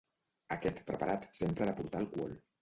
Aquest preparat sempre ha de portar alcohol.